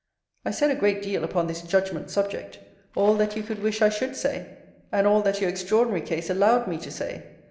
I said a great deal upon this judgment subject: all that you could wish I should say; and all that your extraordinary case allowed me to say.